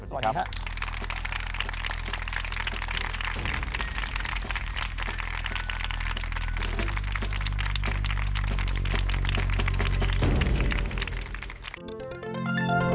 สวัสดีครับ